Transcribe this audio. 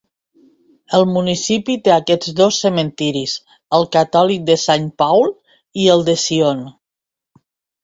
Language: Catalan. El municipi té aquests dos cementiris: el catòlic de Saint Paul i el de Zion.